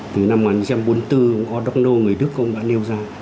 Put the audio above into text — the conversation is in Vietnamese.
từ năm một nghìn chín trăm bốn mươi bốn ông o donnell người đức ông đã nêu ra